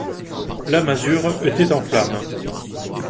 La masure était en flammes.